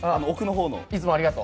いつもありがとう。